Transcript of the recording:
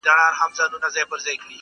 • وروستۍ ورځ -